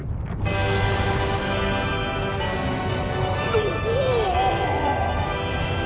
おお！